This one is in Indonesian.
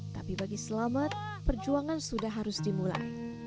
tapi bagi selamat perjuangan sudah harus dimulai